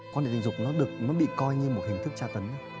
quan hệ tình dục nó bị coi như một hình thức tra tấn